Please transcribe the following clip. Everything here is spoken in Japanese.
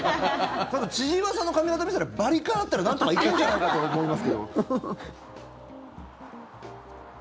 千々岩さんの髪形見てたらバリカンあったらなんとかいけるんじゃないかって思いますけど。